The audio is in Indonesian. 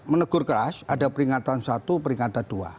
menegur keras ada peringatan satu peringatan dua